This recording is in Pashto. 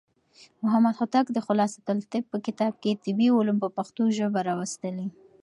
محمد هوتک د خلاصة الطب په کتاب کې طبي علوم په پښتو ژبه راوستلي.